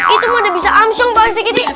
itu tidak bisa berjalan pak sri kiti